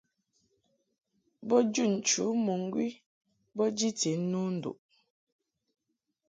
Bo jun nchǔ mɨŋgwi bo jiti no nduʼ.